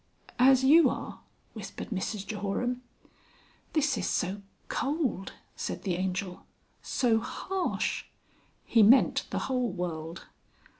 "As you are?" whispered Mrs Jehoram. "This is so cold," said the Angel. "So harsh!" He meant the whole world.